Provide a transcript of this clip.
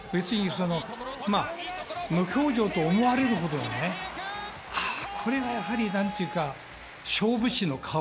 無表情だと思われるほど、あ、これがやはり勝負師の顔。